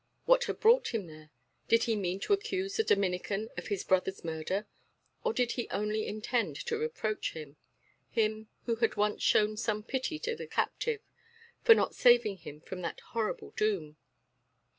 What had brought him there? Did he mean to accuse the Dominican of his brother's murder, or did he only intend to reproach him him who had once shown some pity to the captive for not saving him from that horrible doom?